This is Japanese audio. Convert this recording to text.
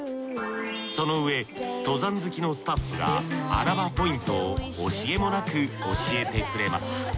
その上登山好きのスタッフが穴場ポイントを惜しげもなく教えてくれます。